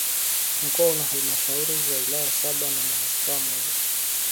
Mkoa una Halmashauri za wilaya Saba na ya Manispaa moja